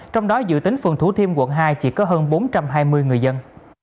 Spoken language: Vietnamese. trong đó dự tính phường thủ thiêm quận hai chỉ có hơn bốn trăm hai mươi người dân